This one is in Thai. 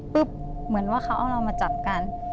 เหมือนว่าเขาเอาเรามาจับกัน